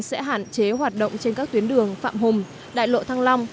sẽ hạn chế hoạt động trên các tuyến đường phạm hùng đại lộ thăng long